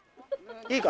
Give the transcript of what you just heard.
いいか？